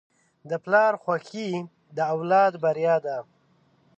د پلار خوښي د اولاد بریا ده.